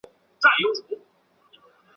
秦国自秦孝公称霸诸候时行霸道政策。